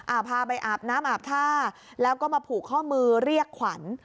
พาไปอาบน้ำอาบท่าแล้วก็มาผูกข้อมือเรียกขวัญ